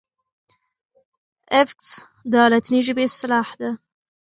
افکس د لاتیني ژبي اصطلاح ده.